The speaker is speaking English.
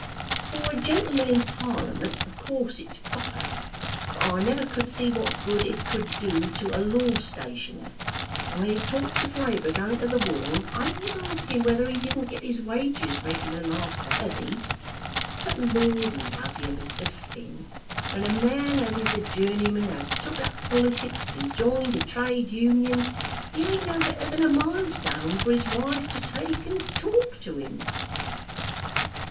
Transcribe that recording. "For a gentleman in Parliament of course it's proper; but I never could see what good it could do to a law stationer; and when he talks of Labour going to the wall, I always ask him whether he didn't get his wages regular last Saturday. But, Lord love you, Mr. Finn, when a man as is a journeyman has took up politics and joined a Trade Union, he ain't no better than a milestone for his wife to take and talk to him."